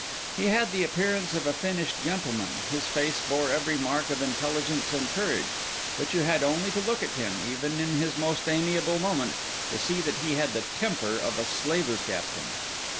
He had the appearance of a finished gentleman; his face bore every mark of intelligence and courage; but you had only to look at him, even in his most amiable moment, to see that he had the temper of a slaver captain.